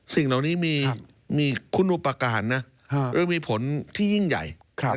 สิ่งเหล่านี้มีคุณอุปการณ์นะหรือมีผลที่ยิ่งใหญ่